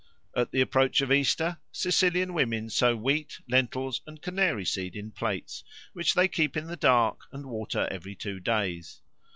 At the approach of Easter, Sicilian women sow wheat, lentils, and canaryseed in plates, which they keep in the dark and water every two days.